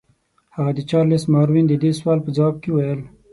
هغه د چارلس ماروین د دې سوال په ځواب کې وویل.